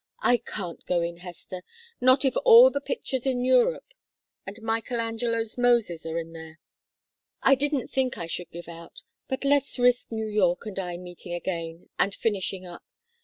"I can't go in, Hester, not if all the pictures in Europe and Michelangelo's Moses are in there. I didn't think I should give out, but let's risk New York and I meeting again, and finishing up.